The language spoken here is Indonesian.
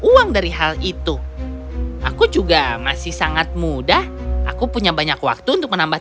uang dari hal itu aku juga masih sangat mudah aku punya banyak waktu untuk menambah